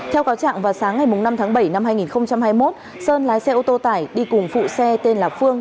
theo cáo trạng vào sáng ngày năm tháng bảy năm hai nghìn hai mươi một sơn lái xe ô tô tải đi cùng phụ xe tên là phương